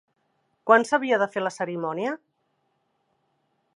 Quan s'havia de fer la cerimònia?